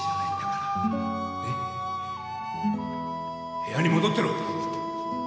部屋に戻ってろ！